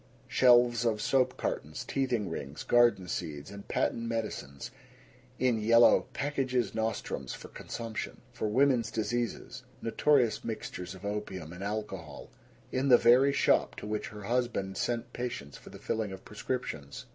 Shelves of soap cartons, teething rings, garden seeds, and patent medicines in yellow "packages nostrums" for consumption, for "women's diseases" notorious mixtures of opium and alcohol, in the very shop to which her husband sent patients for the filling of prescriptions.